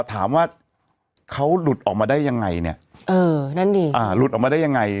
ถามว่าเขาหลุดออกมาได้ยังไงเนี่ยเออนั่นดิอ่าหลุดออกมาได้ยังไง